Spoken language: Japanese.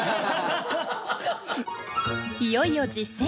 いよいよ実践。